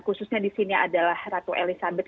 khususnya di sini adalah ratu elizabeth